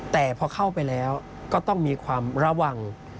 แต่พอเข้าไปแล้วก็ต้องมีความระวัง